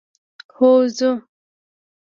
هو ځو.